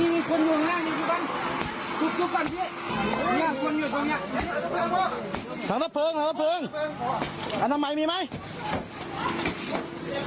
ทางน้ำเพลิงเนี้ยทางน้ำเพลิงอันน้ำใหม่มีไหม